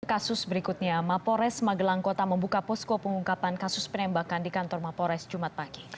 kasus berikutnya mapores magelang kota membuka posko pengungkapan kasus penembakan di kantor mapores jumat pagi